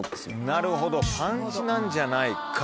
なるほどパンチなんじゃないかと。